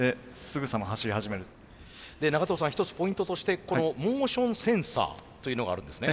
で長藤さん一つポイントとしてこのモーションセンサーというのがあるんですね。